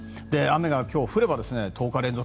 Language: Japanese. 雨が今日降れば１０日連続。